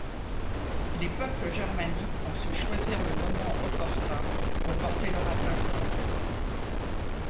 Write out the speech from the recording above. Les peuples germaniques ont su choisir le moment opportun pour porter leur attaque.